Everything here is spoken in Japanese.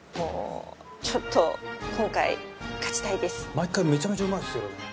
「毎回めちゃめちゃうまいですけどね」